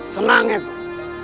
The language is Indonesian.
senang ya guru